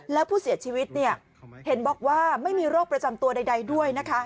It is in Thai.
แล้วผู้เสียชีวิตเนี่ยเห็นบอกว่าไม่มีโรคประจำตัวใดด้วยนะคะ